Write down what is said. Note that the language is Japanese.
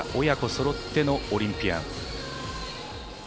親子そろってのオリンピアン。